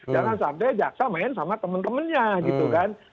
jangan sampai jaksa main sama temen temennya gitu kan